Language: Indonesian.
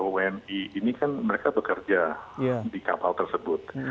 tujuh puluh delapan wni ini kan mereka bekerja di kapal tersebut